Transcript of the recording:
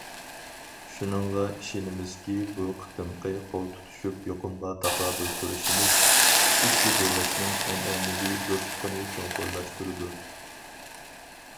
شۇنىڭغا ئىشىنىمىزكى، بۇ قېتىمقى قول تۇتۇشۇپ يۇقۇمغا تاقابىل تۇرۇشىمىز، ئىككى دۆلەتنىڭ ئەنئەنىۋى دوستلۇقىنى چوڭقۇرلاشتۇرىدۇ.